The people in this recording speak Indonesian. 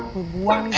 gue buang ya